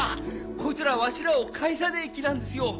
こいつらわしらを帰さねえ気なんですよ。